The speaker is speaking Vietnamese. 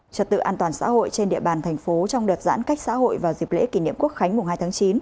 trật tự an toàn xã hội trên địa bàn thành phố trong đợt giãn cách xã hội vào dịp lễ kỷ niệm quốc khánh mùng hai tháng chín